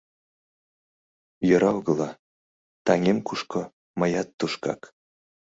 — Йӧра огыла, таҥем кушко — мыят тушкак.